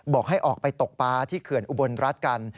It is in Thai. บอกให้ออกไปตกปลาที่เขื่อนอุบลรัฐกัน